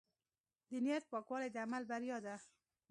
د نیت پاکوالی د عمل بریا ده.